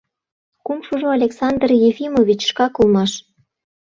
Кумшыжо Александр Ефимович шкак улмаш.